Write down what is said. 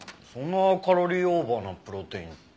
そんなカロリーオーバーなプロテイン